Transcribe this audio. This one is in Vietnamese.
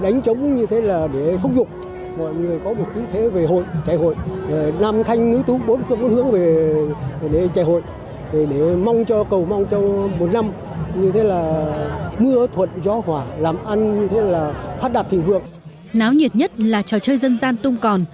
náo nhiệt nhất là trò chơi dân gian tung còn